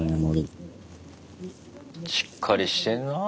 しっかりしてんなぁ。